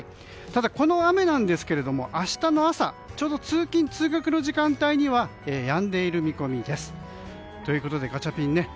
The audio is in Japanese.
ただ、この雨なんですけれども明日の朝、ちょうど通勤・通学の時間帯にはやんでいる見込みです。ということで、ガチャピン。